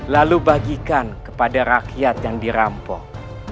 lalu bagikan kepada rakyat yang dirampok